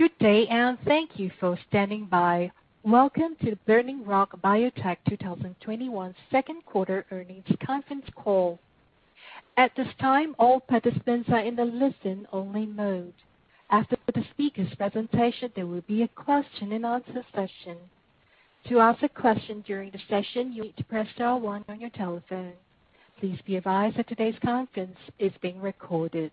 Good day, and thank you for standing by. Welcome to Burning Rock Biotech 2021 second quarter earnings conference call. At this time, all participants are in the listen-only mode. After the speakers' presentation, there will be a question and answer session. To ask a question during the session, you need to press star one on your telephone. Please be advised that today's conference is being recorded.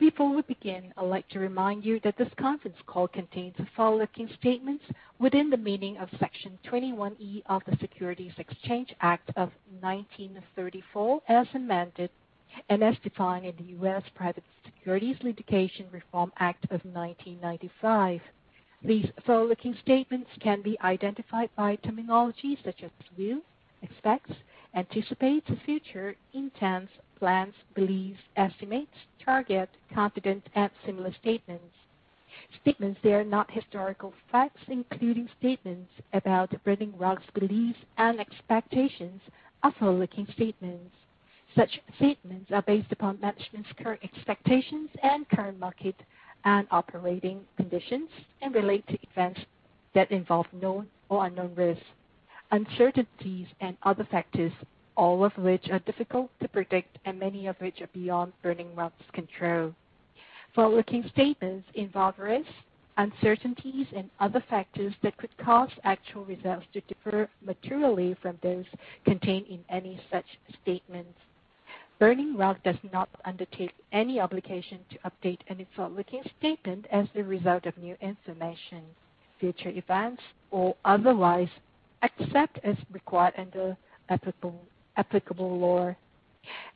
Before we begin, I'd like to remind you that this conference call contains forward-looking statements within the meaning of Section 21E of the Securities Exchange Act of 1934, as amended, and as defined in the U.S. Private Securities Litigation Reform Act of 1995. These forward-looking statements can be identified by terminology such as will, expects, anticipates, future, intends, plans, believes, estimates, target, confident, and similar statements. Statements that are not historical facts, including statements about Burning Rock's beliefs and expectations, are forward-looking statements. Such statements are based upon management's current expectations and current market and operating conditions, and relate to events that involve known or unknown risks, uncertainties and other factors, all of which are difficult to predict and many of which are beyond Burning Rock's control. Forward-looking statements involve risks, uncertainties and other factors that could cause actual results to differ materially from those contained in any such statements. Burning Rock does not undertake any obligation to update any forward-looking statement as the result of new information, future events, or otherwise, except as required under applicable law.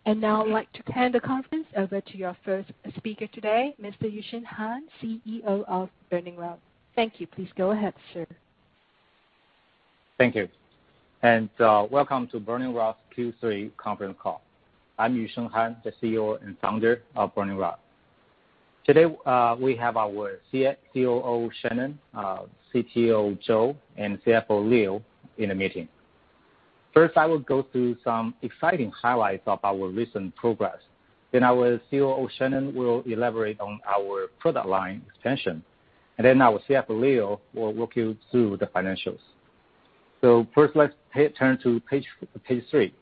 Now, I'd like to hand the conference over to your first speaker today, Mr. Yusheng Han, CEO of Burning Rock. Thank you. Please go ahead, sir. Thank you, and welcome to Burning Rock's Q3 conference call. I'm Yusheng Han, the CEO and founder of Burning Rock. Today, we have our COO, Shannon, our CTO, Joe, and CFO, Leo, in the meeting. First, I will go through some exciting highlights of our recent progress, then our COO, Shannon, will elaborate on our product line expansion, and then our CFO, Leo, will walk you through the financials. First, let's turn to page 3.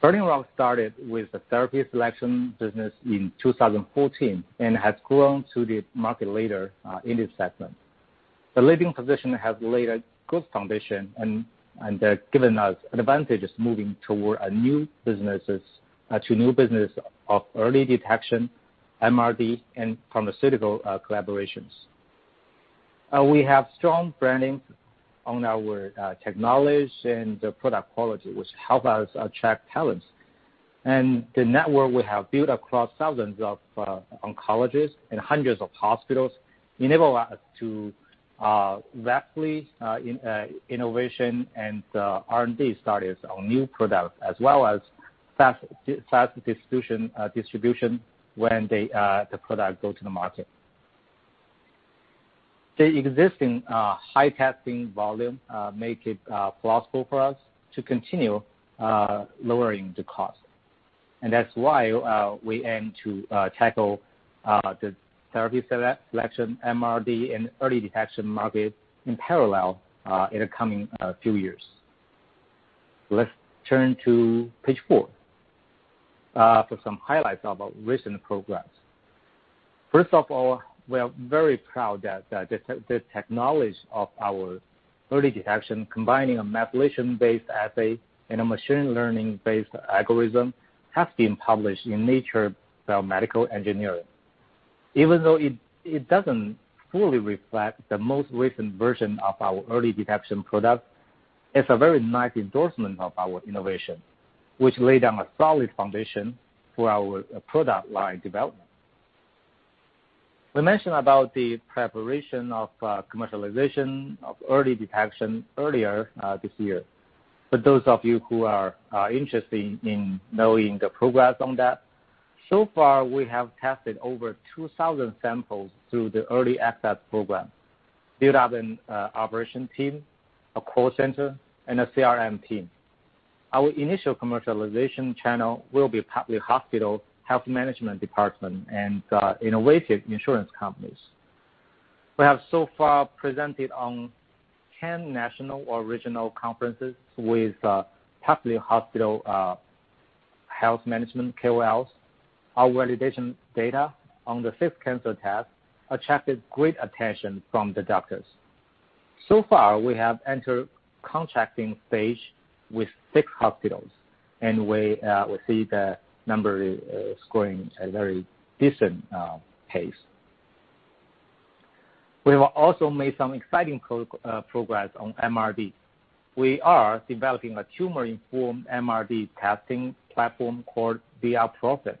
Burning Rock started with the therapy selection business in 2014 and has grown to the market leader in this segment. The leading position has laid a good foundation and has given us advantages moving to new business of early detection, MRD, and pharmaceutical collaborations. We have strong branding on our technology and the product quality, which help us attract talents. The network we have built across thousands of oncologists and hundreds of hospitals enable us to rapidly innovation and R&D studies on new products as well as fast distribution when the product go to the market. The existing high testing volume make it plausible for us to continue lowering the cost. That's why we aim to tackle the therapy selection, MRD, and early detection market in parallel in the coming few years. Let's turn to page 4 for some highlights of our recent progress. First of all, we are very proud that the technology of our early detection, combining a methylation-based assay and a machine learning-based algorithm, has been published in "Nature Biomedical Engineering." Even though it doesn't fully reflect the most recent version of our early detection product, it's a very nice endorsement of our innovation, which laid down a solid foundation for our product line development. We mentioned about the preparation of commercialization of early detection earlier this year. For those of you who are interested in knowing the progress on that, so far, we have tested over 2,000 samples through the Early Access Program, built up an operation team, a call center, and a CRM team. Our initial commercialization channel will be public hospital, health management department, and innovative insurance companies. We have so far presented on 10 national or regional conferences with public hospital health management KOLs. Our validation data on the fifth cancer test attracted great attention from the doctors. So far, we have entered contracting phase with 6 hospitals. We see the number is growing at a very decent pace. We have also made some exciting progress on MRD. We are developing a tumor-informed MRD testing platform called BR-PROPHET.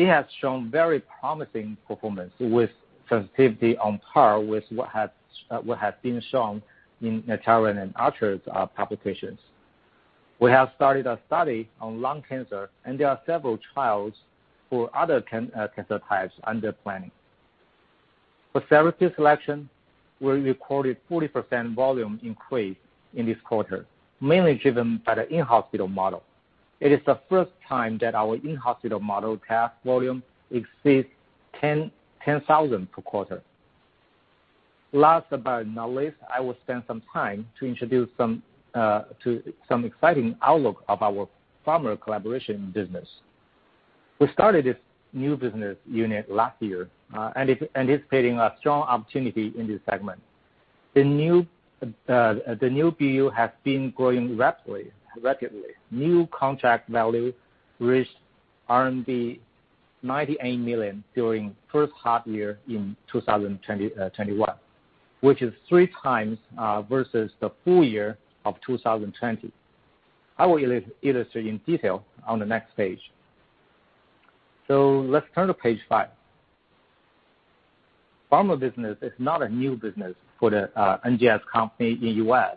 It has shown very promising performance with sensitivity on par with what has been shown in Natera and ArcherDX's publications. We have started a study on lung cancer, and there are several trials for other cancer types under planning. For therapy selection, we recorded 40% volume increase in this quarter, mainly driven by the in-hospital model. It is the first time that our in-hospital model test volume exceeds 10,000 per quarter. Last but not least, I will spend some time to introduce some exciting outlook of our pharma collaboration business. We started this new business unit last year. It's anticipating a strong opportunity in this segment. The new BU has been growing rapidly. New contract value reached RMB 98 million during the first half year in 2021, which is three times versus the full year of 2020. I will illustrate in detail on the next page. Let's turn to page five. Pharma business is not a new business for the NGS company in U.S.,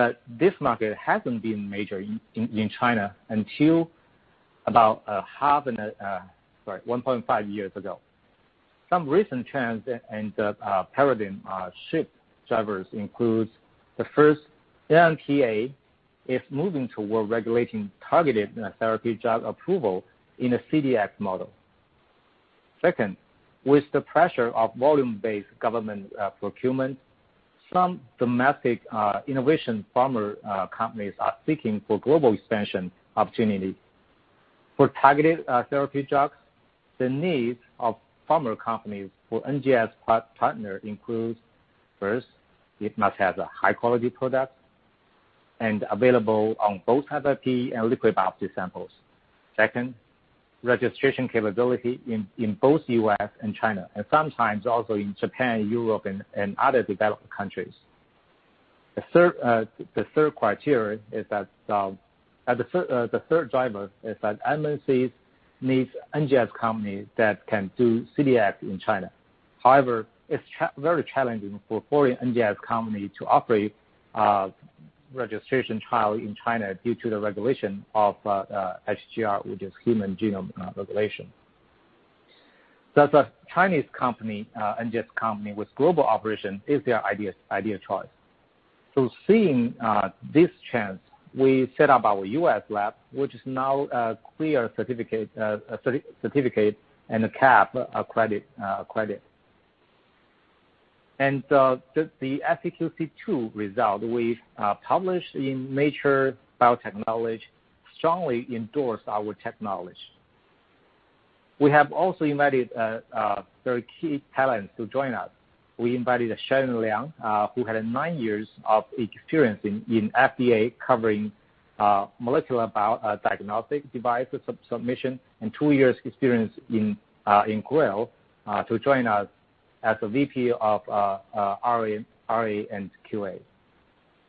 but this market hasn't been major in China until about 1.5 years ago. Some recent trends and paradigm shift drivers includes the first NMPA is moving toward regulating targeted therapy drug approval in a CDx model. Second, with the pressure of volume-based government procurement, some domestic innovation pharma companies are seeking for global expansion opportunity. For targeted therapy drugs, the needs of pharma companies for NGS partner includes, first, it must have a high-quality product and available on both FFPE and liquid biopsy samples. Second, registration capability in both U.S. and China, and sometimes also in Japan, Europe, and other developed countries. The third driver is that MNCs needs NGS companies that can do CDx in China. It's very challenging for foreign NGS company to operate a registration trial in China due to the regulation of HGR, which is Human Genetic Resources. As a Chinese NGS company with global operations is their ideal choice. Seeing this chance, we set up our U.S. lab, which is now a CLIA certificate and CAP accredited. The SEQC2 result we published in Nature Biotechnology strongly endorsed our technology. We have also invited very key talent to join us. We invited Sharon Liang, who had 9 years of experience in FDA covering molecular diagnostic device submission and 2 years experience in Grail, to join us as the VP of RA&QA.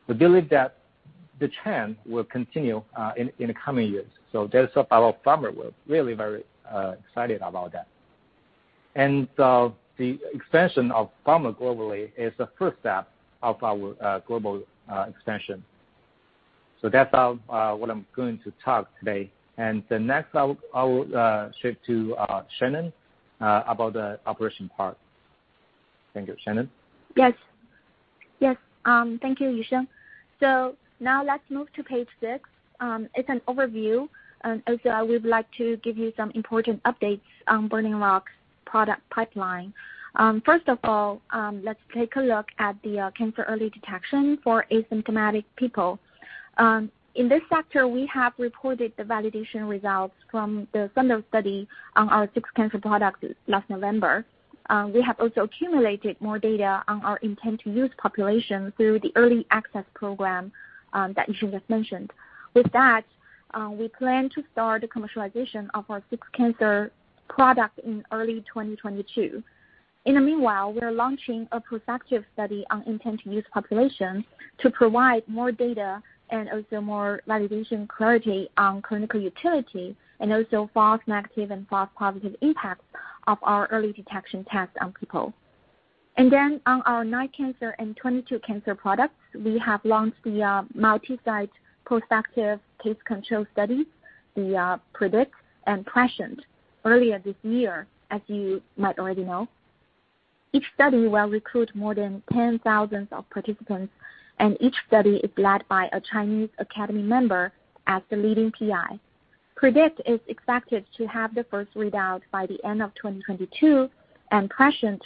We believe that the trend will continue in the coming years. That is our pharma. We're really very excited about that. The expansion of pharma globally is the first step of our global expansion. That's what I'm going to talk today. Next, I will shift to Shannon Chuai about the operation part. Thank you. Shannon Chuai? Yes. Thank you, Yusheng Han. Now let's move to page 6. It's an overview, and also we would like to give you some important updates on Burning Rock's product pipeline. First of all, let's take a look at the cancer early detection for asymptomatic people. In this sector, we have reported the validation results from the Sunwheel study on our 6 cancer products last November. We have also accumulated more data on our intent to use population through the early access program that Yusheng Han just mentioned. With that, we plan to start the commercialization of our 6 cancer product in early 2022. In the meanwhile, we are launching a prospective study on intent to use population to provide more data and also more validation clarity on clinical utility, and also false negative and false positive impacts of our early detection tests on people. On our 9 cancer and 22 cancer products, we have launched the multi-site prospective case control studies, the PREDICT and PRESCIENT, earlier this year, as you might already know. Each study will recruit more than 10,000 of participants, and each study is led by a Chinese Academy member as the leading PI. PREDICT is expected to have the first readout by the end of 2022, and PRESCIENT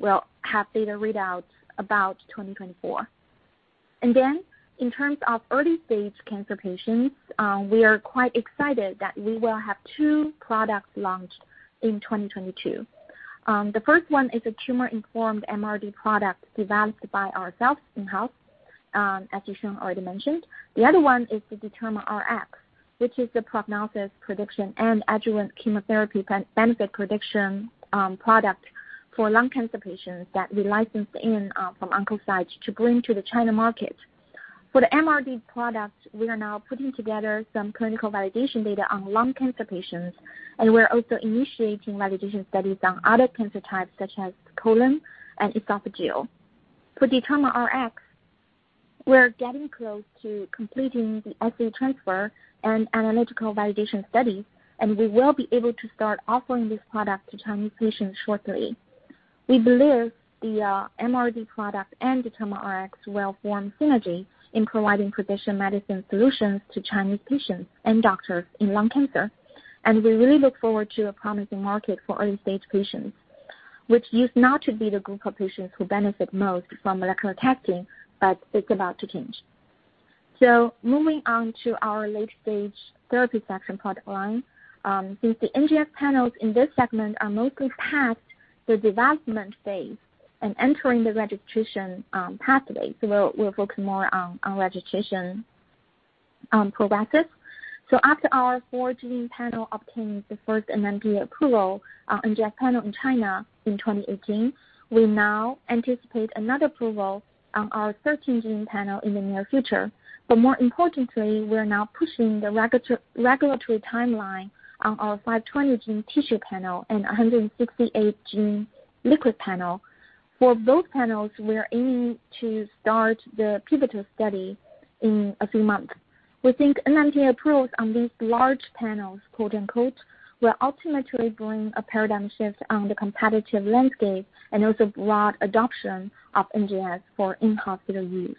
will have data readouts about 2024. In terms of early-stage cancer patients, we are quite excited that we will have 2 products launched in 2022. The first one is a tumor-informed MRD product developed by ourselves in-house, as Yusheng already mentioned. The other one is the DetermaRx, which is the prognosis prediction and adjuvant chemotherapy benefit prediction product for lung cancer patients that we licensed in from Oncocyte to bring to the China market. For the MRD product, we are now putting together some clinical validation data on lung cancer patients. We're also initiating validation studies on other cancer types such as colon and esophageal. For DetermaRx, we're getting close to completing the assay transfer and analytical validation study. We will be able to start offering this product to Chinese patients shortly. We believe the MRD product and the DetermaRx will form synergy in providing precision medicine solutions to Chinese patients and doctors in lung cancer. We really look forward to a promising market for early-stage patients, which used not to be the group of patients who benefit most from molecular testing, but it's about to change. Moving on to our late-stage therapy selection product line. Since the NGS panels in this segment are mostly past the development phase and entering the registration pathway, so we're focusing more on registration progresses. After our 4-gene panel obtained the first NMPA approval, NGS panel in China in 2018, we now anticipate another approval on our 13-gene panel in the near future. More importantly, we are now pushing the regulatory timeline on our 520-gene tissue panel and 168-gene liquid panel. For both panels, we're aiming to start the pivotal study in a few months. We think NMPA approvals on these "large panels" will ultimately bring a paradigm shift on the competitive landscape and also broad adoption of NGS for in-hospital use.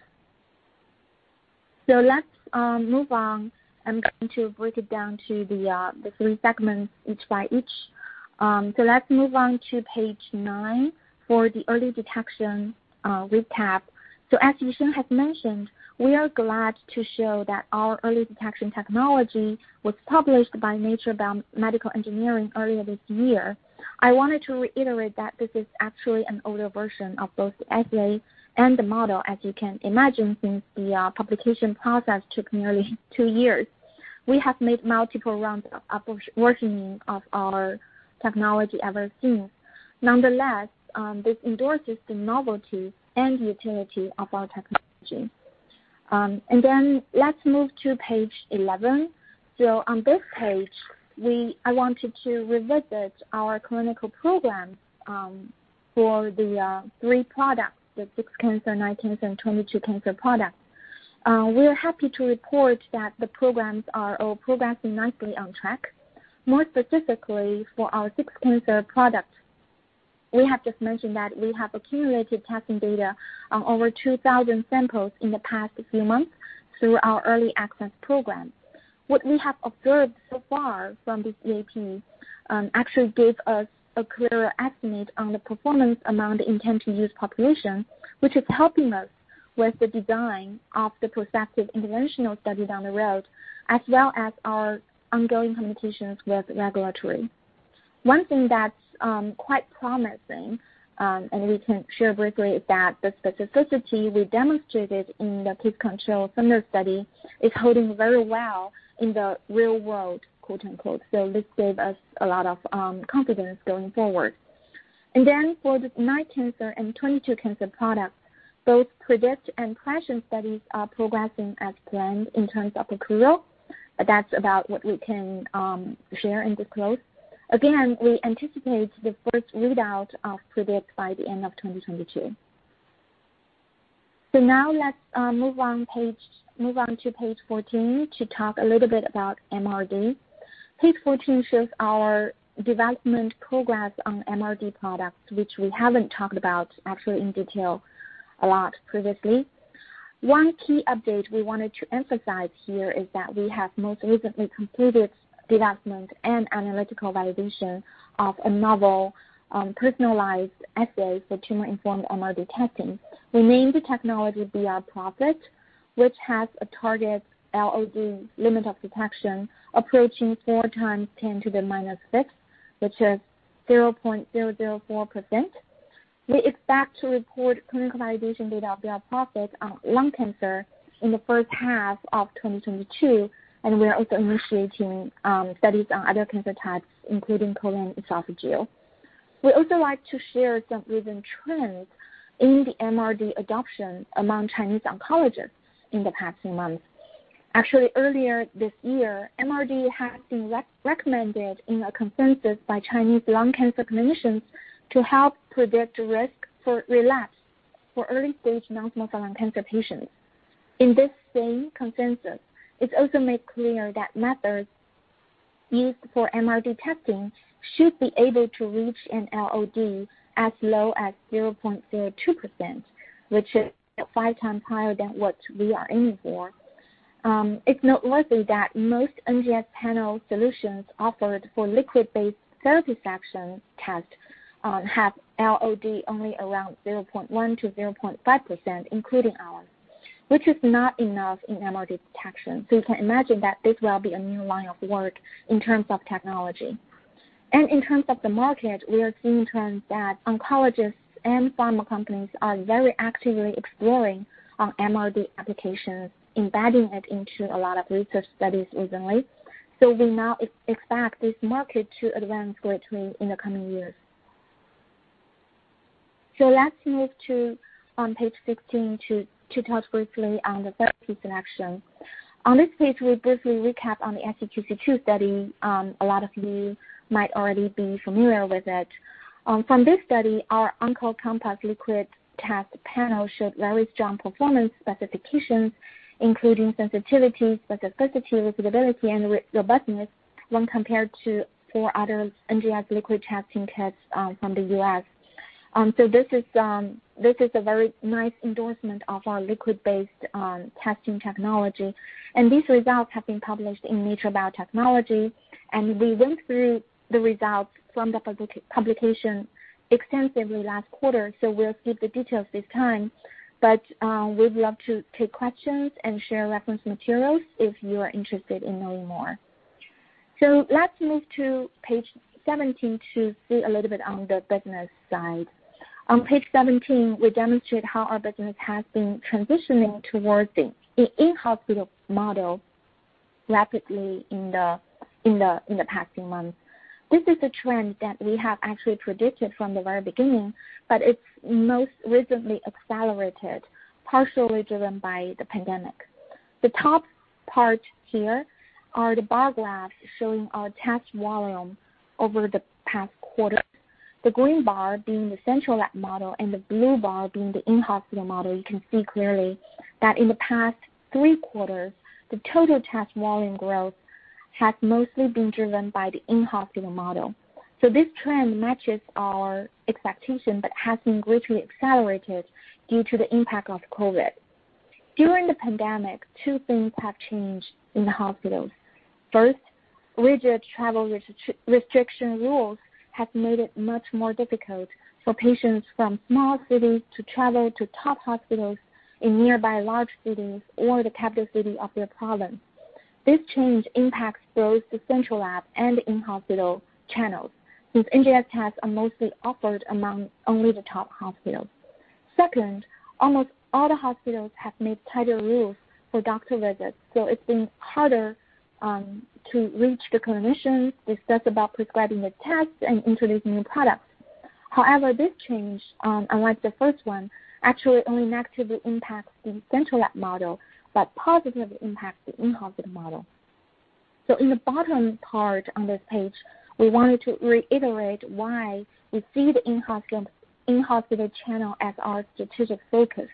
Let's move on. I'm going to break it down to the 3 segments, each by each. Let's move on to page 9 for the early detection recap. As Yusheng has mentioned, we are glad to show that our early detection technology was published by "Nature Biomedical Engineering" earlier this year. I wanted to reiterate that this is actually an older version of both the assay and the model, as you can imagine, since the publication process took nearly 2 years. We have made multiple rounds of upgrading of our technology ever since. Nonetheless, this endorses the novelty and utility of our technology. let's move to page 11. On this page, I wanted to revisit our clinical programs for the 3 products, the 6 cancer, 9 cancer, and 22 cancer products. We're happy to report that the programs are all progressing nicely on track. More specifically for our 6 cancer products, we have just mentioned that we have accumulated testing data on over 2,000 samples in the past few months through our Early Access Program. What we have observed so far from this EAP actually gave us a clearer estimate on the performance among the intended use population, which is helping us with the design of the prospective interventional study down the road, as well as our ongoing communications with regulatory. One thing that's quite promising, and we can share briefly, is that the specificity we demonstrated in the case-control summary study is holding very well in the "real world." This gave us a lot of confidence going forward. For the 9 cancer and 22 cancer products, both PREDICT and PRESCIENT studies are progressing as planned in terms of accrual. That's about what we can share and disclose. Again, we anticipate the first readout of PREDICT by the end of 2022. Let's move on to page 14 to talk a little bit about MRD. Page 14 shows our development progress on MRD products, which we haven't talked about actually in detail a lot previously. 1 key update we wanted to emphasize here is that we have most recently completed development and analytical validation of a novel, personalized assay for tumor-informed MRD testing. We named the technology BR-PROPHET, which has a target LOD, limit of detection, approaching 4 x 10^-6, which is 0.004%. We expect to report clinical validation data of BR-PROPHET on lung cancer in the first half of 2022, and we are also initiating studies on other cancer types, including colon esophageal. We also like to share some recent trends in the MRD adoption among Chinese oncologists in the past few months. Actually, earlier this year, MRD has been recommended in a consensus by Chinese lung cancer clinicians to help predict risk for relapse for early-stage non-small cell lung cancer patients. In this same consensus, it also made clear that methods used for MRD testing should be able to reach an LOD as low as 0.02%, which is five times higher than what we are aiming for. It's noteworthy that most NGS panel solutions offered for liquid-based therapy selection test have LOD only around 0.1%-0.5%, including ours, which is not enough in MRD detection. You can imagine that this will be a new line of work in terms of technology. In terms of the market, we are seeing trends that oncologists and pharma companies are very actively exploring MRD applications, embedding it into a lot of research studies recently. We now expect this market to advance greatly in the coming years. Let's move to page 15 to talk briefly on the therapy selection. On this page, we'll briefly recap on the SEQC2 study. A lot of you might already be familiar with it. From this study, our OncoCompass liquid test panel showed very strong performance specifications, including sensitivity, specificity, reproducibility, and robustness when compared to 4 other NGS liquid testing kits from the U.S. This is a very nice endorsement of our liquid-based testing technology, and these results have been published in Nature Biotechnology. We went through the results from the publication extensively last quarter, so we'll skip the details this time. We'd love to take questions and share reference materials if you are interested in knowing more. Let's move to page 17 to see a little bit on the business side. On page 17, we demonstrate how our business has been transitioning towards the in-hospital model rapidly in the past few months. This is a trend that we have actually predicted from the very beginning. It's most recently accelerated, partially driven by the pandemic. The top part here are the bar graphs showing our test volume over the past quarters, the green bar being the central lab model and the blue bar being the in-hospital model. You can see clearly that in the past three quarters, the total test volume growth has mostly been driven by the in-hospital model. This trend matches our expectation but has been greatly accelerated due to the impact of COVID. During the pandemic, two things have changed in the hospitals. First, rigid travel restriction rules have made it much more difficult for patients from small cities to travel to top hospitals in nearby large cities or the capital city of their province. This change impacts both the central lab and in-hospital channels, since NGS tests are mostly offered among only the top hospitals. Second, almost all the hospitals have made tighter rules for doctor visits, so it's been harder to reach the clinicians, discuss about prescribing the tests, and introduce new products. However, this change, unlike the first one, actually only negatively impacts the central lab model, but positively impacts the in-hospital model. In the bottom part on this page, we wanted to reiterate why we see the in-hospital channel as our strategic focus.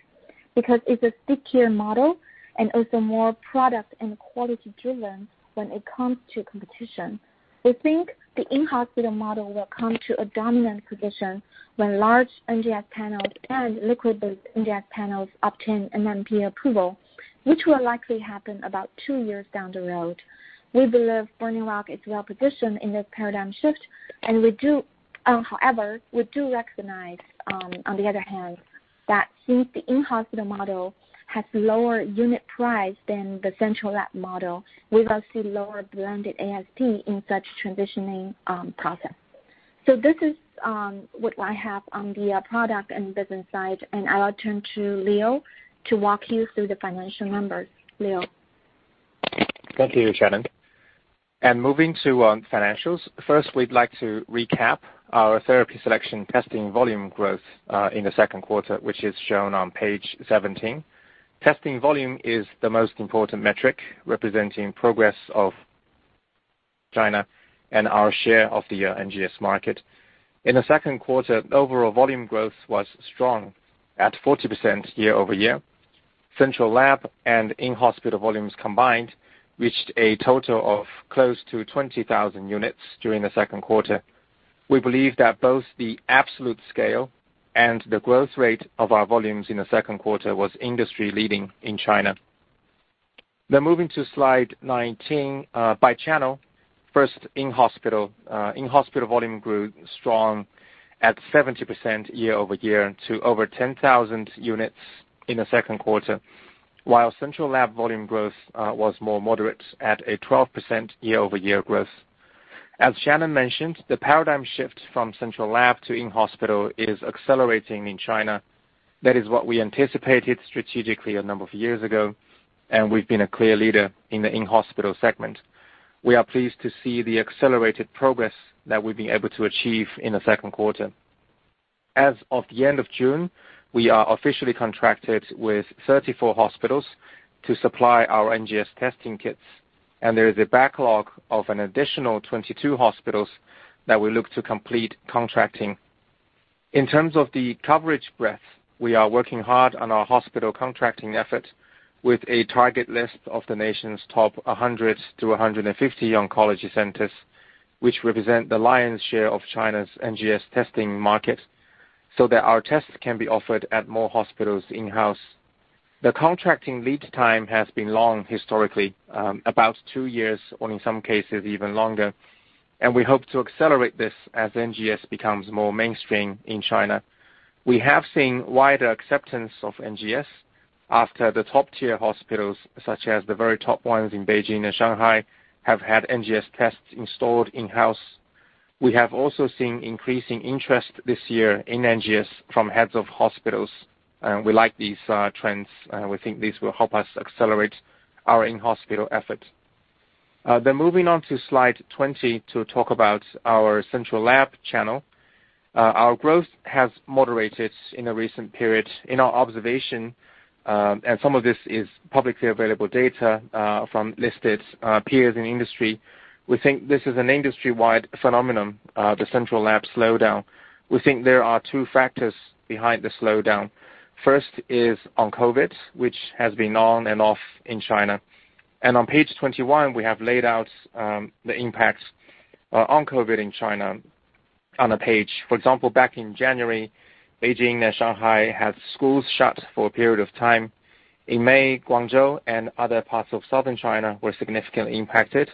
Because it's a stickier model and also more product and quality driven when it comes to competition. We think the in-hospital model will come to a dominant position when large NGS panels and liquid-based NGS panels obtain NMPA approval, which will likely happen about 2 years down the road. We believe Burning Rock is well-positioned in this paradigm shift, however, we do recognize, on the other hand, that since the in-hospital model has lower unit price than the central lab model, we will see lower blended ASP in such transitioning process. This is what I have on the product and business side, and I'll turn to Leo to walk you through the financial numbers. Leo. Thank you, Shannon. Moving to financials. First, we'd like to recap our therapy selection testing volume growth in the second quarter, which is shown on page 17. Testing volume is the most important metric representing progress of China and our share of the NGS market. In the second quarter, overall volume growth was strong, at 40% year-over-year. Central lab and in-hospital volumes combined reached a total of close to 20,000 units during the second quarter. We believe that both the absolute scale and the growth rate of our volumes in the second quarter was industry-leading in China. Moving to slide 19. By channel, first in-hospital. In-hospital volume grew strong at 70% year-over-year to over 10,000 units in the second quarter, while central lab volume growth was more moderate at a 12% year-over-year growth. As Shannon mentioned, the paradigm shift from central lab to in-hospital is accelerating in China. That is what we anticipated strategically a number of years ago, and we've been a clear leader in the in-hospital segment. We are pleased to see the accelerated progress that we've been able to achieve in the second quarter. As of the end of June, we are officially contracted with 34 hospitals to supply our NGS testing kits, and there is a backlog of an additional 22 hospitals that we look to complete contracting. In terms of the coverage breadth, we are working hard on our hospital contracting effort with a target list of the nation's top 100-150 oncology centers, which represent the lion's share of China's NGS testing market, so that our tests can be offered at more hospitals in-house. The contracting lead time has been long historically, about two years, or in some cases even longer. We hope to accelerate this as NGS becomes more mainstream in China. We have seen wider acceptance of NGS after the top-tier hospitals, such as the very top ones in Beijing and Shanghai, have had NGS tests installed in-house. We have also seen increasing interest this year in NGS from heads of hospitals. We like these trends. We think this will help us accelerate our in-hospital effort. Moving on to slide 20 to talk about our central lab channel. Our growth has moderated in the recent period. In our observation, some of this is publicly available data from listed peers in the industry, we think this is an industry-wide phenomenon, the central lab slowdown. We think there are two factors behind the slowdown. First is on COVID, which has been on and off in China. On page 21, we have laid out the impact on COVID in China on a page. For example, back in January, Beijing and Shanghai had schools shut for a period of time. In May, Guangzhou and other parts of Southern China were significantly impacted.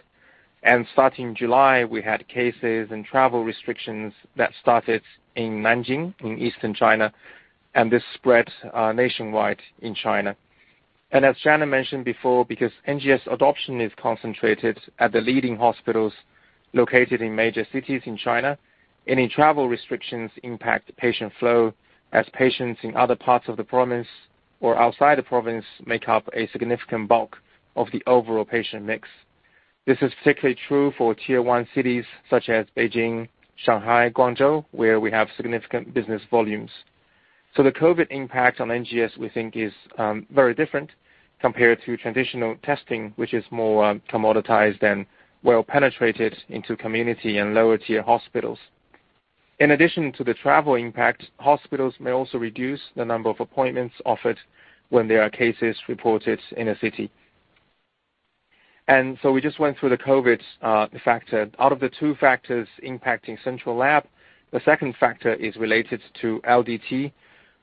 Starting July, we had cases and travel restrictions that started in Nanjing, in Eastern China, and this spread nationwide in China. As Shannon Chuai mentioned before, because NGS adoption is concentrated at the leading hospitals located in major cities in China, any travel restrictions impact patient flow as patients in other parts of the province or outside the province make up a significant bulk of the overall patient mix. This is particularly true Tier 1 cities such as Beijing, Shanghai, Guangzhou, where we have significant business volumes. The COVID impact on NGS, we think, is very different compared to traditional testing, which is more commoditized and well penetrated into community and lower-tier hospitals. In addition to the travel impact, hospitals may also reduce the number of appointments offered when there are cases reported in a city. We just went through the COVID factor. Out of the two factors impacting central lab, the second factor is related to LDT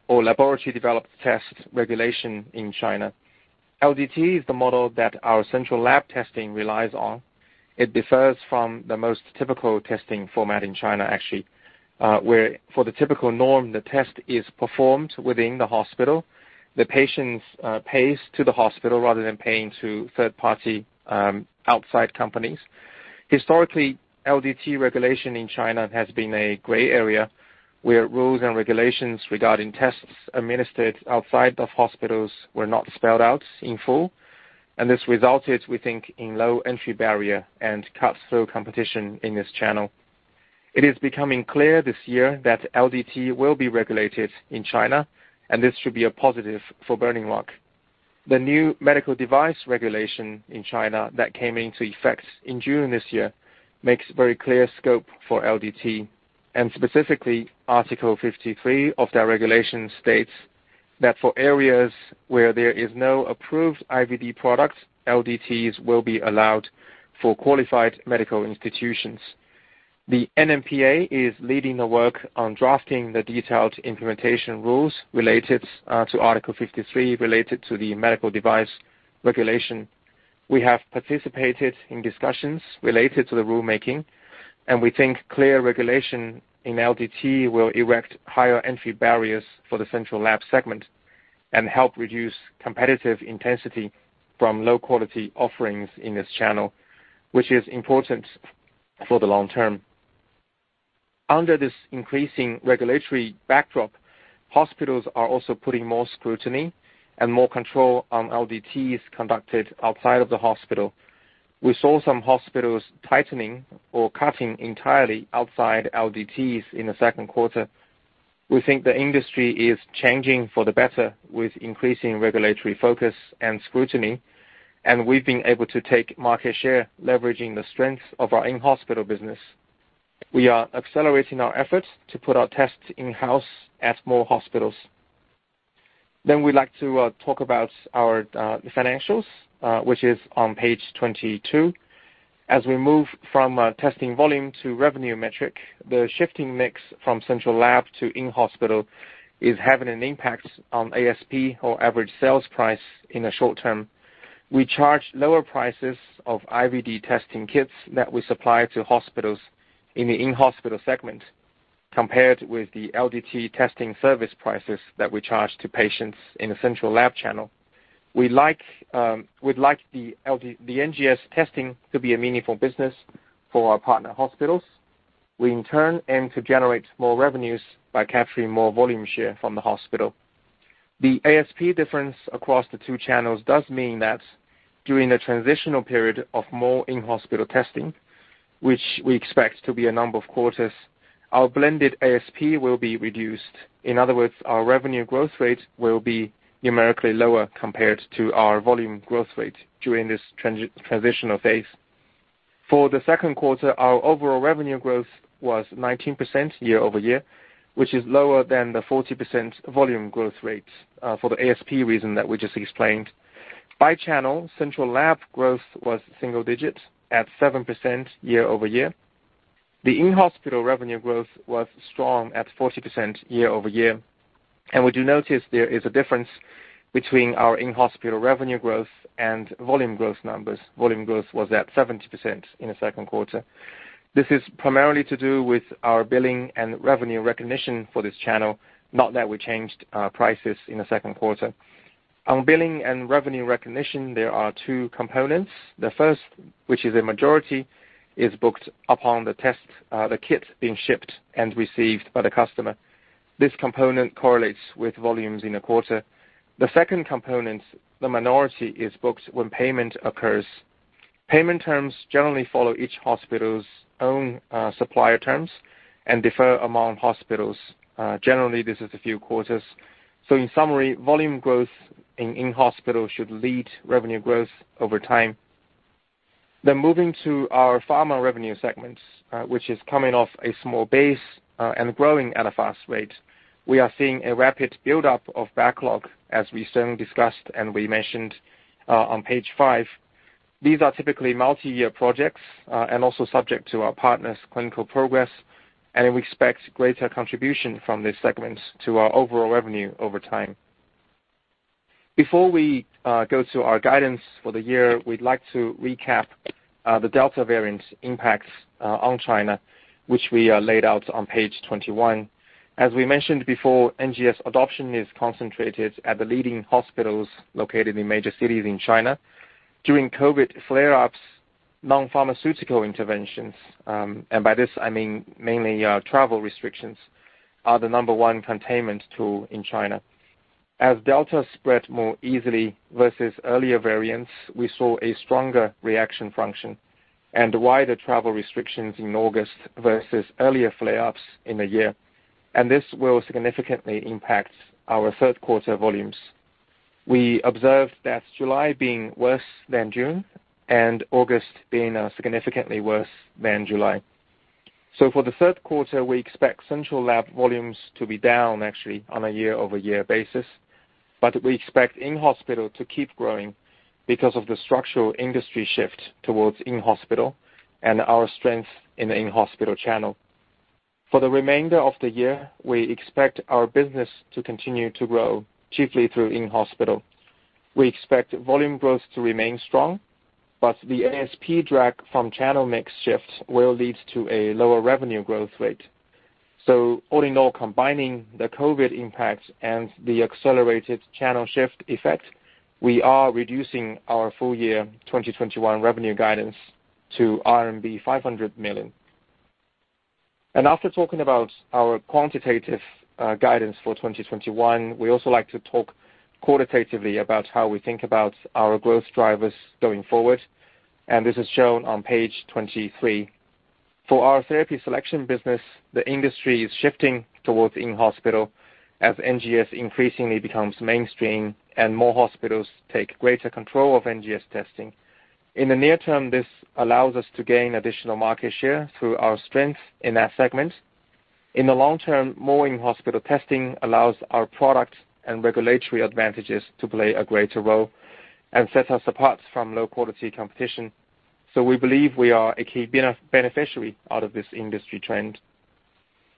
or laboratory developed test regulation in China. LDT is the model that our central lab testing relies on. It differs from the most typical testing format in China, actually, where for the typical norm, the test is performed within the hospital. The patient pays to the hospital rather than paying to third-party outside companies. Historically, LDT regulation in China has been a gray area where rules and regulations regarding tests administered outside of hospitals were not spelled out in full, and this resulted, we think, in low entry barrier and cutthroat competition in this channel. It is becoming clear this year that LDT will be regulated in China, and this should be a positive for Burning Rock. The new medical device regulation in China that came into effect in June this year makes very clear scope for LDT and specifically Article 53 of that regulation states that for areas where there is no approved IVD product, LDTs will be allowed for qualified medical institutions. The NMPA is leading the work on drafting the detailed implementation rules related to Article 53 related to the medical device regulation. We have participated in discussions related to the rulemaking. We think clear regulation in LDT will erect higher entry barriers for the central lab segment and help reduce competitive intensity from low-quality offerings in this channel, which is important for the long term. Under this increasing regulatory backdrop, hospitals are also putting more scrutiny and more control on LDTs conducted outside of the hospital. We saw some hospitals tightening or cutting entirely outside LDTs in the second quarter. We think the industry is changing for the better with increasing regulatory focus and scrutiny. We've been able to take market share, leveraging the strength of our in-hospital business. We are accelerating our efforts to put our tests in-house at more hospitals. We'd like to talk about our financials, which is on page 22. As we move from a testing volume to revenue metric, the shifting mix from central lab to in-hospital is having an impact on ASP or average sales price in the short term. We charge lower prices of IVD testing kits that we supply to hospitals in the in-hospital segment compared with the LDT testing service prices that we charge to patients in the central lab channel. We'd like the NGS testing to be a meaningful business for our partner hospitals. We, in turn, aim to generate more revenues by capturing more volume share from the hospital. The ASP difference across the two channels does mean that during the transitional period of more in-hospital testing, which we expect to be a number of quarters, our blended ASP will be reduced. In other words, our revenue growth rate will be numerically lower compared to our volume growth rate during this transitional phase. For the second quarter, our overall revenue growth was 19% year-over-year, which is lower than the 40% volume growth rate for the ASP reason that we just explained. By channel, central lab growth was single digits at 7% year-over-year. The in-hospital revenue growth was strong at 40% year-over-year. Would you notice there is a difference between our in-hospital revenue growth and volume growth numbers. Volume growth was at 70% in the second quarter. This is primarily to do with our billing and revenue recognition for this channel, not that we changed prices in the second quarter. On billing and revenue recognition, there are 2 components. The first, which is a majority, is booked upon the test, the kit being shipped and received by the customer. This component correlates with volumes in a quarter. The second component, the minority, is booked when payment occurs. Payment terms generally follow each hospital's own supplier terms and differ among hospitals. Generally, this is a few quarters. In summary, volume growth in in-hospital should lead revenue growth over time. Moving to our pharma revenue segment, which is coming off a small base and growing at a fast rate. We are seeing a rapid buildup of backlog, as we certainly discussed and we mentioned on page 5. These are typically multi-year projects, and also subject to our partners' clinical progress, and we expect greater contribution from this segment to our overall revenue over time. Before we go to our guidance for the year, we'd like to recap the Delta variant impacts on China, which we laid out on page 21. As we mentioned before, NGS adoption is concentrated at the leading hospitals located in major cities in China. During COVID flare-ups, non-pharmaceutical interventions, and by this I mean mainly travel restrictions, are the number one containment tool in China. As Delta spread more easily versus earlier variants, we saw a stronger reaction function and wider travel restrictions in August versus earlier flare-ups in the year. This will significantly impact our third quarter volumes. We observed that July being worse than June and August being significantly worse than July. For the third quarter, we expect central lab volumes to be down actually on a year-over-year basis. We expect in-hospital to keep growing because of the structural industry shift towards in-hospital and our strength in the in-hospital channel. For the remainder of the year, we expect our business to continue to grow, chiefly through in-hospital. We expect volume growth to remain strong, the ASP drag from channel mix shift will lead to a lower revenue growth rate. All in all, combining the COVID impact and the accelerated channel shift effect, we are reducing our full year 2021 revenue guidance to RMB 500 million. After talking about our quantitative guidance for 2021, we also like to talk qualitatively about how we think about our growth drivers going forward, and this is shown on page 23. For our therapy selection business, the industry is shifting towards in-hospital as NGS increasingly becomes mainstream and more hospitals take greater control of NGS testing. In the near term, this allows us to gain additional market share through our strength in that segment. In the long term, more in-hospital testing allows our product and regulatory advantages to play a greater role and sets us apart from low-quality competition. We believe we are a key beneficiary out of this industry trend.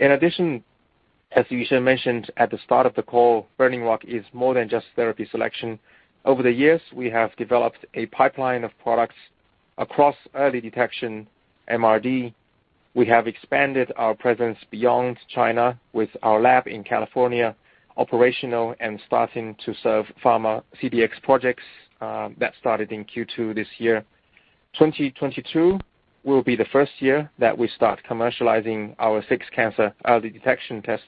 In addition, as Yusheng mentioned at the start of the call, Burning Rock is more than just therapy selection. Over the years, we have developed a pipeline of products across early detection MRD. We have expanded our presence beyond China with our lab in California operational and starting to serve pharma CDx projects that started in Q2 this year. 2022 will be the first year that we start commercializing our 6 cancer early detection test.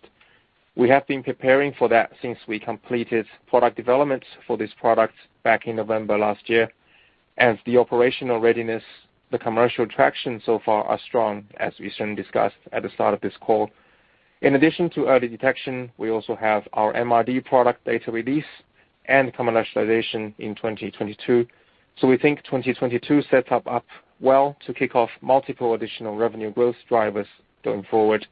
We have been preparing for that since we completed product development for this product back in November last year. As the operational readiness, the commercial traction so far are strong, as Yusheng discussed at the start of this call. In addition to early detection, we also have our MRD product data release and commercialization in 2022. We think 2022 sets up well to kick off multiple additional revenue growth drivers going forward.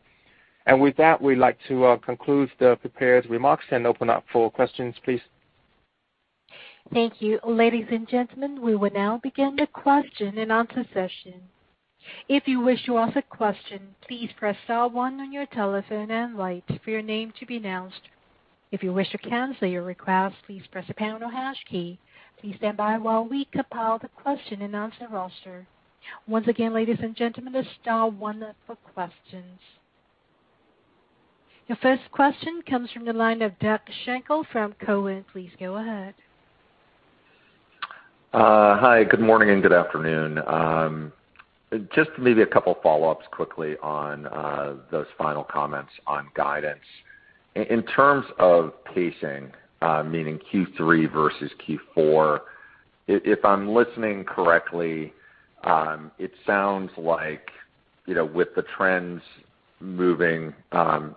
With that, we'd like to conclude the prepared remarks and open up for questions, please. Thank you. Ladies and gentlemen, we will now begin the question and answer session. If you wish to ask a question, please press star 1 on your telephone and wait for your name to be announced. If you wish to cancel your request, please press the pound or hash key. Please stand by while we compile the question and answer roster. Once again, ladies and gentlemen, star 1 for questions. Your first question comes from the line of Doug Schenkel from Cowen. Please go ahead. Hi, good morning and good afternoon. Maybe 2 follow-ups quickly on those final comments on guidance. In terms of pacing, meaning Q3 versus Q4, if I'm listening correctly, it sounds like with the trends moving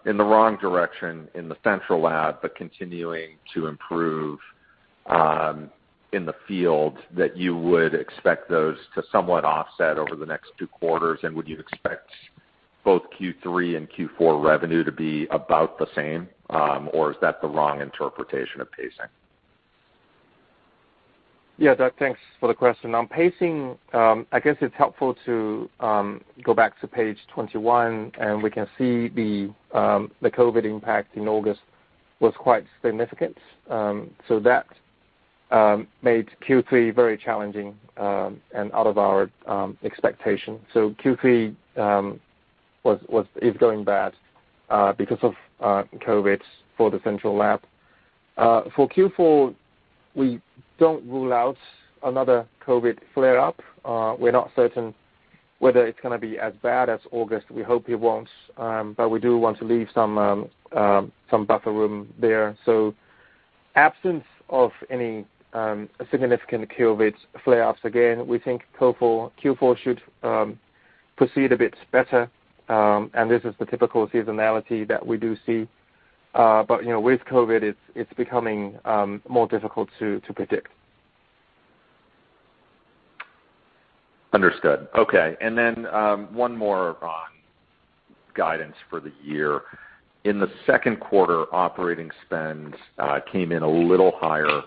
in the wrong direction in the central lab, but continuing to improve in the field, that you would expect those to somewhat offset over the next 2 quarters. Would you expect both Q3 and Q4 revenue to be about the same? Is that the wrong interpretation of pacing? Yeah, Doug Schenkel, thanks for the question. On pacing, I guess it's helpful to go back to page 21, and we can see the COVID impact in August was quite significant. That made Q3 very challenging and out of our expectation. Q3 is going bad because of COVID for the central lab. For Q4, we don't rule out another COVID flare up. We're not certain whether it's going to be as bad as August. We hope it won't, we do want to leave some buffer room there. Absence of any significant COVID flare ups, again, we think Q4 should proceed a bit better. This is the typical seasonality that we do see. With COVID, it's becoming more difficult to predict. Understood. Okay. One more on guidance for the year. In the second quarter, operating spend came in a little higher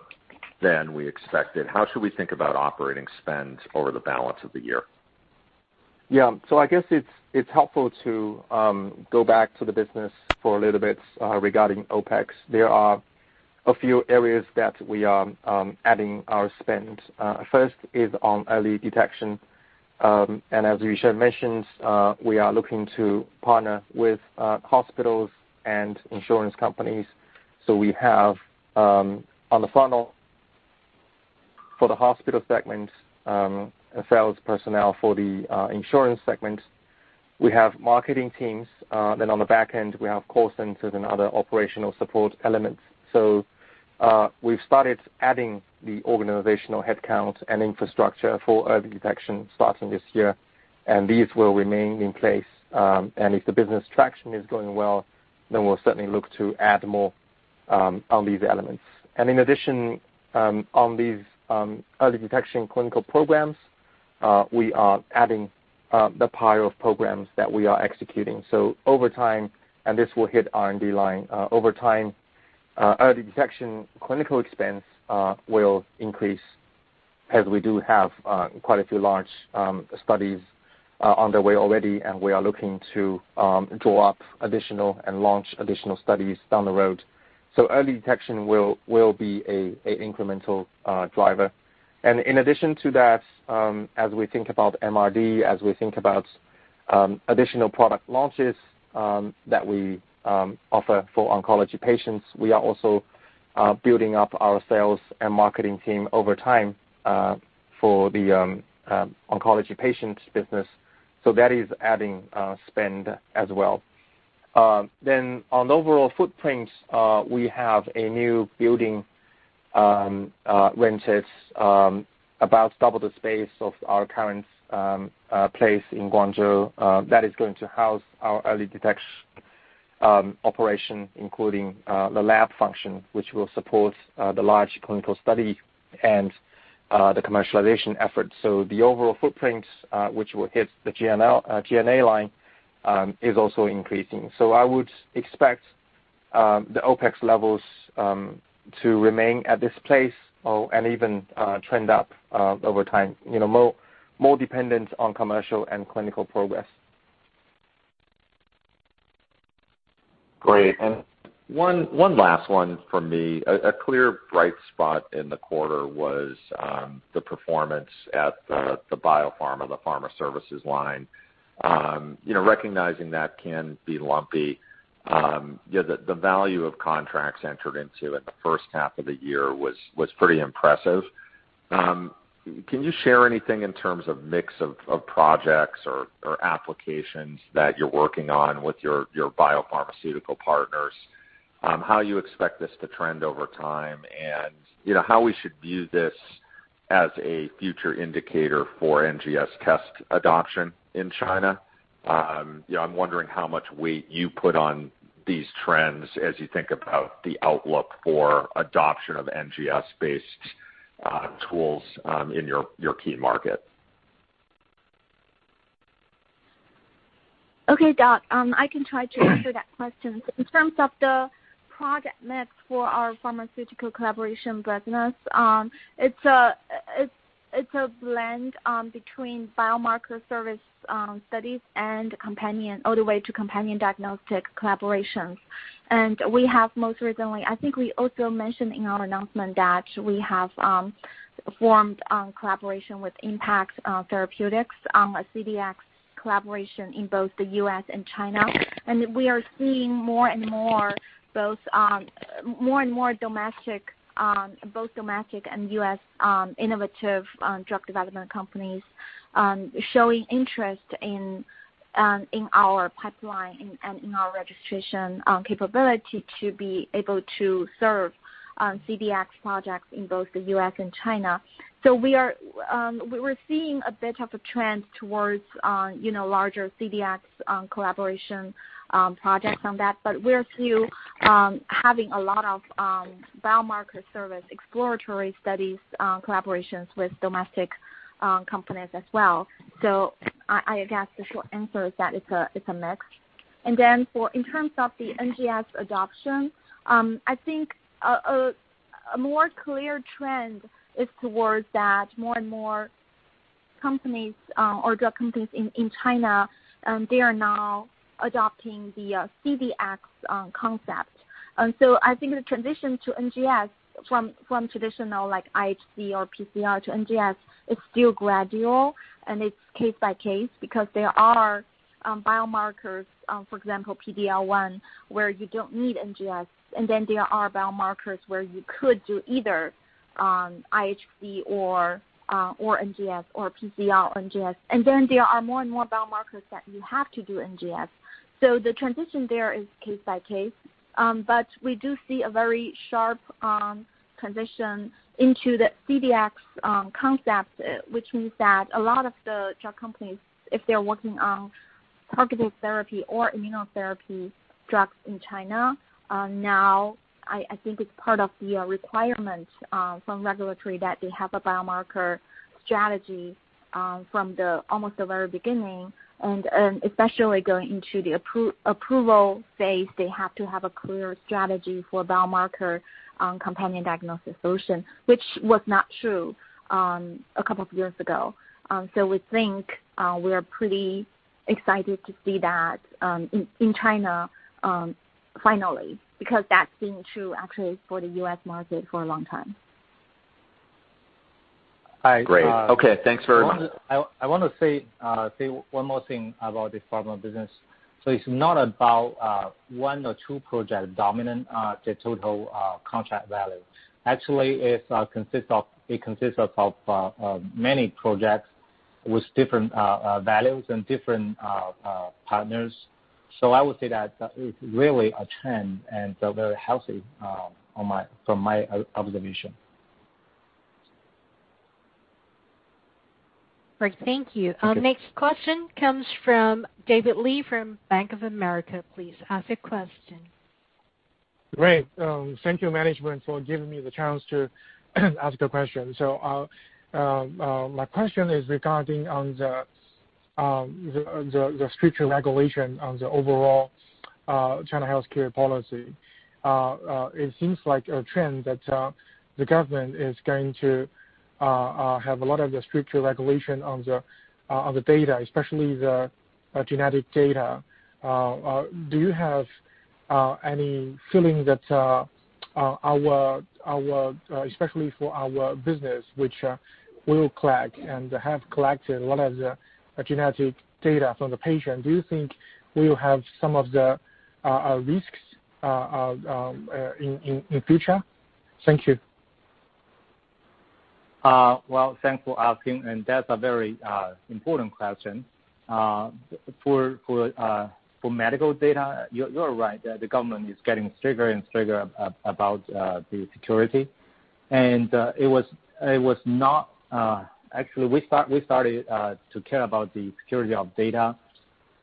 than we expected. How should we think about operating spend over the balance of the year? I guess it's helpful to go back to the business for a little bit regarding OPEX. There are a few areas that we are adding our spend. First is on early detection. As Yusheng mentioned, we are looking to partner with hospitals and insurance companies. We have on the funnel for the hospital segment, a sales personnel for the insurance segment. We have marketing teams. On the back end, we have call centers and other operational support elements. We've started adding the organizational headcount and infrastructure for early detection starting this year, and these will remain in place. If the business traction is going well, we'll certainly look to add more on these elements. In addition on these early detection clinical programs, we are adding the pile of programs that we are executing. Over time, and this will hit R&D line, over time, early detection clinical expense will increase as we do have quite a few large studies underway already, and we are looking to draw up additional and launch additional studies down the road. Early detection will be an incremental driver. In addition to that, as we think about MRD, as we think about additional product launches that we offer for oncology patients, we are also building up our sales and marketing team over time for the oncology patients business. That is adding spend as well. On the overall footprint, we have a new building rented, about double the space of our current place in Guangzhou. That is going to house our early detection operation, including the lab function, which will support the large clinical study and the commercialization efforts. The overall footprint, which will hit the G&A line, is also increasing. I would expect the OPEX levels to remain at this place and even trend up over time, more dependent on commercial and clinical progress. Great. One last one from me. A clear bright spot in the quarter was the performance at the biopharma, the pharma services line. Recognizing that can be lumpy, the value of contracts entered into at the 1st half of the year was pretty impressive. Can you share anything in terms of mix of projects or applications that you're working on with your biopharmaceutical partners, how you expect this to trend over time, and how we should view this as a future indicator for NGS test adoption in China? I'm wondering how much weight you put on these trends as you think about the outlook for adoption of NGS-based tools in your key market. Okay, Doug. I can try to answer that question. In terms of the product mix for our pharmaceutical collaboration business, it's a blend between biomarker service studies and all the way to companion diagnostic collaborations. We have most recently, I think we also mentioned in our announcement that we have formed a collaboration with IMPACT Therapeutics, a CDx collaboration in both the U.S. and China. We are seeing more and more domestic, both domestic and U.S. innovative drug development companies showing interest in our pipeline and in our registration capability to be able to serve CDx projects in both the U.S. and China. We're seeing a bit of a trend towards larger CDx collaboration projects on that. We're still having a lot of biomarker service exploratory studies collaborations with domestic companies as well. I guess the short answer is that it's a mix. In terms of the NGS adoption, I think a more clear trend is towards that more and more companies or drug companies in China, they are now adopting the CDx concept. I think the transition to NGS from traditional IHC or PCR to NGS is still gradual, and it's case by case because there are biomarkers, for example, PD-L1, where you don't need NGS, and then there are biomarkers where you could do either IHC or NGS or PCR, NGS. There are more and more biomarkers that you have to do NGS. The transition there is case by case. But we do see a very sharp transition into the CDx concept, which means that a lot of the drug companies, if they're working on targeted therapy or immunotherapy drugs in China, now, I think it's part of the requirement from regulatory that they have a biomarker strategy from almost the very beginning and especially going into the approval phase. They have to have a clear strategy for biomarker companion diagnosis solution, which was not true a couple of years ago. We think we are pretty excited to see that in China finally, because that's been true actually for the U.S. market for a long time. Hi. Great. Okay. Thanks very much. I want to say one more thing about the pharma business. It's not about one or two projects dominant the total contract value. Actually, it consists of many projects with different values and different partners. I would say that it's really a trend and very healthy from my observation. Great. Thank you. Thank you. Next question comes from David Li from Bank of America. Please ask a question. Great. Thank you, management, for giving me the chance to ask a question. My question is regarding the stricter regulation on the overall China healthcare policy. It seems like a trend that the government is going to have a lot of the stricter regulation on the data, especially the genetic data. Do you have any feeling that, especially for our business, which will collect and have collected a lot of the genetic data from the patient, do you think we will have some of the risks in future? Thank you. Well, thanks for asking. That's a very important question. For medical data, you're right that the government is getting stricter and stricter about the security. Actually, we started to care about the security of data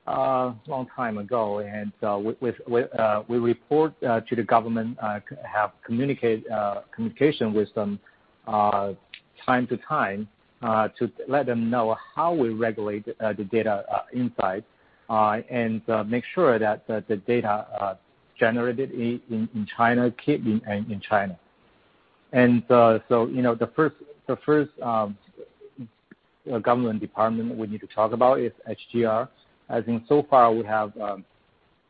a long time ago, and we report to the government, have communication with them time to time to let them know how we regulate the data insights and make sure that the data generated in China keep in China. The first government department we need to talk about is HGR. I think so far, we have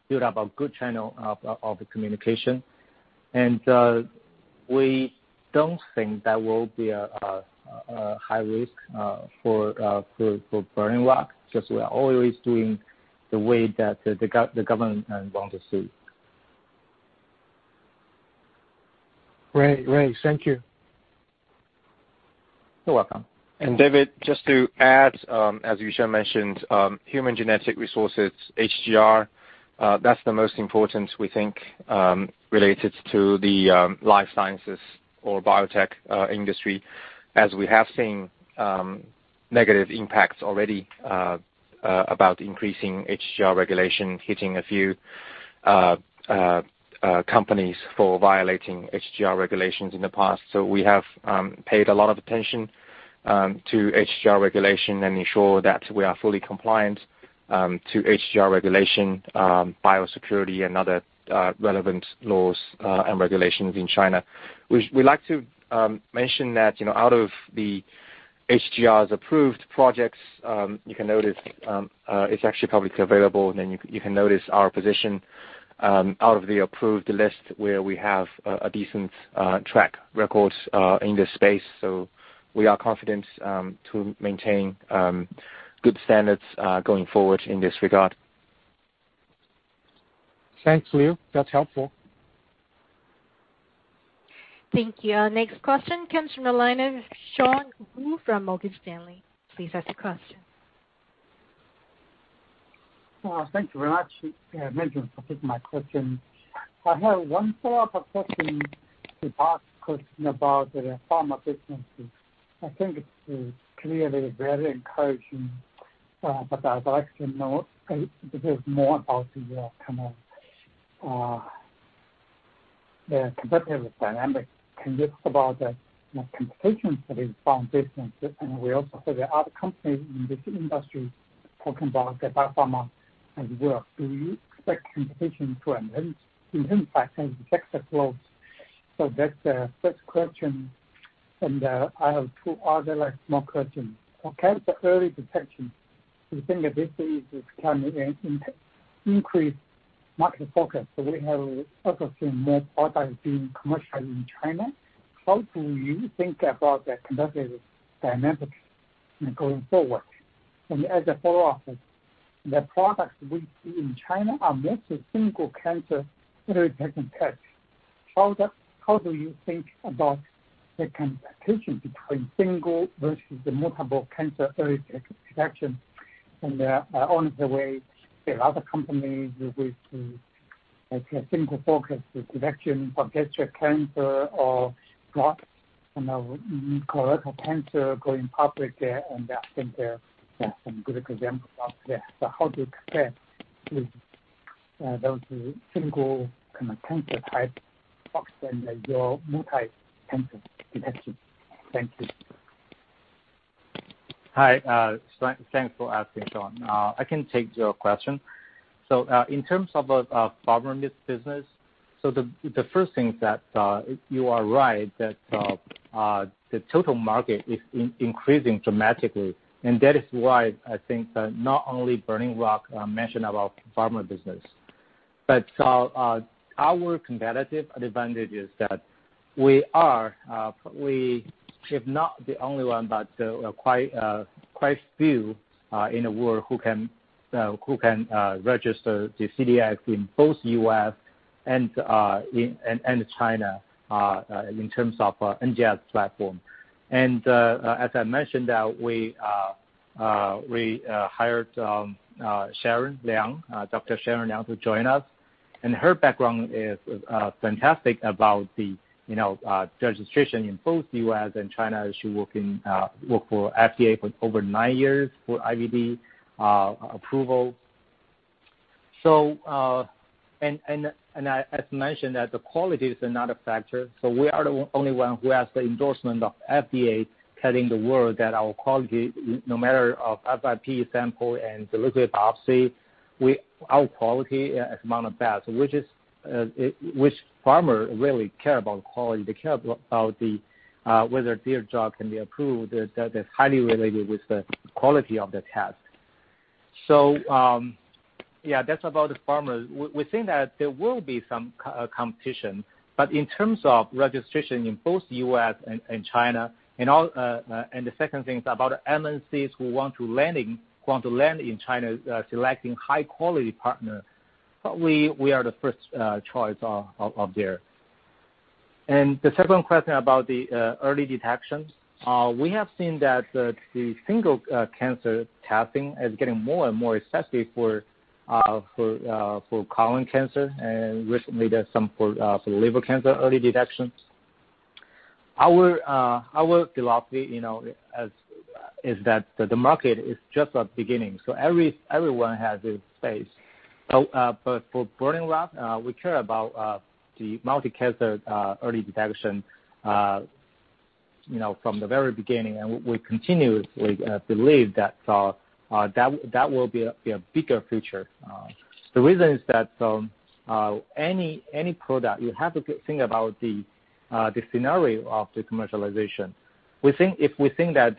built up a good channel of the communication, and we don't think there will be a high risk for Burning Rock, because we are always doing the way that the government want to see. Great. Thank you. You're welcome. David, just to add, as Yusheng Han mentioned, Human Genetic Resources, HGR, that's the most important, we think, related to the life sciences or biotech industry, as we have seen negative impacts already about increasing HGR regulation, hitting a few companies for violating HGR regulations in the past. We have paid a lot of attention to HGR regulation and ensure that we are fully compliant to HGR regulation, biosecurity, and other relevant laws and regulations in China. We like to mention that out of the HGR's approved projects, you can notice it's actually publicly available, and you can notice our position out of the approved list where we have a decent track records in this space. We are confident to maintain good standards going forward in this regard. Thanks, Leo Li. That's helpful. Thank you. Next question comes from the line of Sean Wu from Morgan Stanley. Please ask a question. Thank you very much management for taking my question. I have one follow-up question to last question about the pharma businesses. I think it's clearly very encouraging, but I'd like to know a bit more about the kind of the competitive dynamic, can you talk about the competition for these pharma businesses and also for the other companies in this industry talking about the biopharma as well. Do you expect competition to increase in impact and the success rates? That's the first question, and I have two other last small questions. Okay, early detection, do you think that this is becoming an increased market focus? We have also seen more products being commercial in China. How do you think about the competitive dynamics going forward? As a follow-up, the products we see in China are mostly single cancer early detection tests. How do you think about the competition between single versus the multiple cancer early detection? Along the way, there are other companies with a single focus, the detection for gastric cancer or colorectal cancer going public there, and I think there are some good examples out there. How do you compare those single cancer type versus your multi-cancer detection? Thank you. Hi. Thanks for asking, Sean Wu. I can take your question. In terms of our pharma business, the first thing is that, you are right, that the total market is increasing dramatically. That is why I think that not only Burning Rock mentioned about pharma business, but our competitive advantage is that we are probably, if not the only one, but quite few in the world who can register the CDx in both U.S. and China in terms of NGS platform. As I mentioned, we hired Sharon Liang, Dr. Sharon Liang, to join us, and her background is fantastic about the registration in both U.S. and China, as she worked for FDA for over 9 years for IVD approval. As mentioned, the quality is another factor. We are the only one who has the endorsement of FDA telling the world that our quality, no matter of FFPE sample and the liquid biopsy, our quality is among the best, which pharma really care about quality. They care about whether their drug can be approved, that is highly related with the quality of the test. Yeah, that's about the pharma. We think that there will be some competition, but in terms of registration in both U.S. and China, and the second thing is about MNCs who want to land in China, selecting high quality partner, probably we are the first choice out there. The second question about the early detection, we have seen that the single cancer testing is getting more and more accepted for colon cancer, and recently there's some for liver cancer early detection. Our philosophy is that the market is just at the beginning, so everyone has a space. For Burning Rock, we care about the multi-cancer early detection from the very beginning, and we continuously believe that will be a bigger future. The reason is that any product, you have to think about the scenario of the commercialization. If we think about a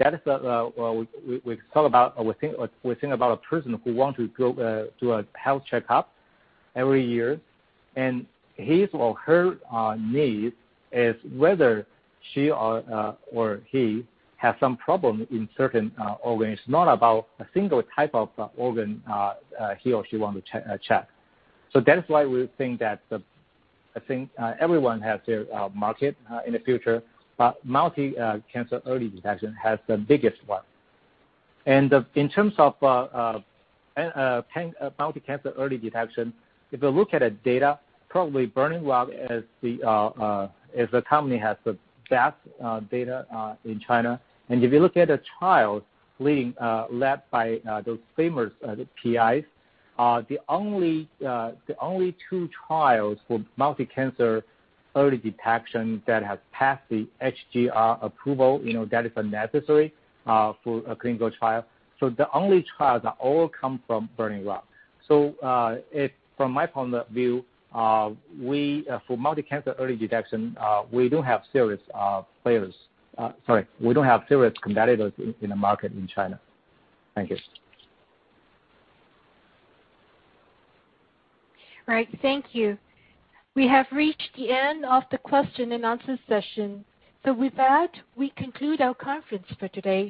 person who want to do a health checkup every year, and his or her needs is whether she or he has some problem in certain organs, not about a single type of organ he or she want to check. That's why we think that everyone has their market in the future, but multi-cancer early detection has the biggest one. In terms of multi-cancer early detection, if you look at the data, probably Burning Rock as a company has the best data in China. If you look at the trials led by those famous PIs, the only two trials for multi-cancer early detection that has passed the HGR approval, that is necessary for a clinical trial. The only trials all come from Burning Rock. From my point of view, for multi-cancer early detection, we don't have serious competitors in the market in China. Thank you. Right. Thank you. We have reached the end of the question and answer session. With that, we conclude our conference for today.